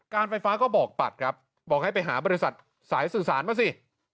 การไฟฟ้าก็บอกปัดครับบอกให้ไปหาบริษัทสายสื่อสารมาสิ